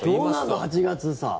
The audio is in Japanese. ８月さ。